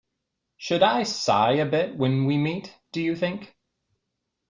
Should I sigh a bit when we meet, do you think?